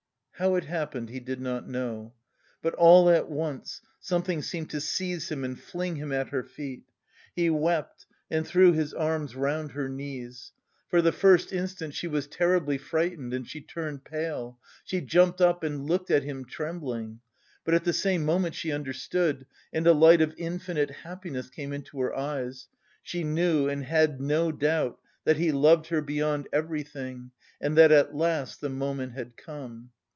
How it happened he did not know. But all at once something seemed to seize him and fling him at her feet. He wept and threw his arms round her knees. For the first instant she was terribly frightened and she turned pale. She jumped up and looked at him trembling. But at the same moment she understood, and a light of infinite happiness came into her eyes. She knew and had no doubt that he loved her beyond everything and that at last the moment had come....